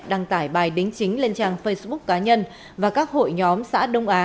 đăng tải bài đính chính lên trang facebook cá nhân và các hội nhóm xã đông á